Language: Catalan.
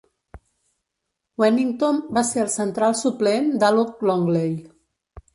Wennington va ser el central suplent de Luc Longley.